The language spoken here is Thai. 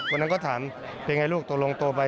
วันนั้นก็ถามเป็นอย่างไรลูกตัวลงโตไป